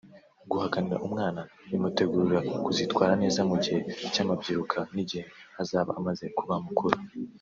Guhakanira umwana bimutegurira kuzitwara neza mu gihe cy’amabyiruka n’igihe azaba amaze kuba mukuru